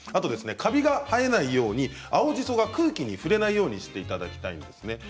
カビが生えないように青じそが空気に触れないようにしていただきたいです。